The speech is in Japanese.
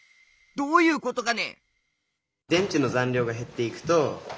どういうことかね？